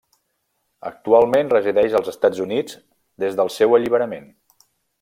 Actualment resideix als Estats Units des del seu alliberament.